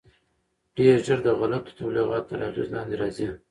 ډېر ژر د غلطو تبلیغاتو تر اغېز لاندې راځي.